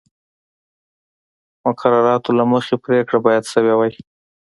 مقرراتو له مخې پرېکړه باید شوې وای